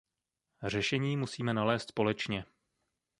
Řešení musíme nalézt společně.